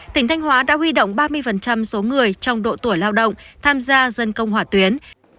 tỉnh thanh hóa đã huy động ba mươi số người trong độ tuổi lao động tham gia dân công hỏa tuyến